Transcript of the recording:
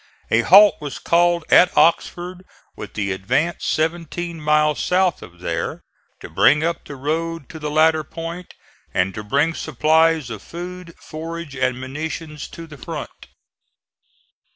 A halt was called at Oxford with the advance seventeen miles south of there, to bring up the road to the latter point and to bring supplies of food, forage and munitions to the front.